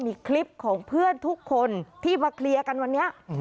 มีคลิปของเพื่อนทุกคนที่มาเคลียร์กันวันนี้